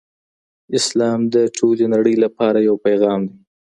اسلام د ټولې نړۍ لپاره یو پیغام دی.